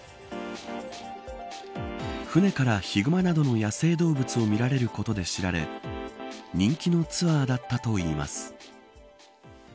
船からヒグマなどの野生動物を見られることで知られ人気のツアーだったといいます。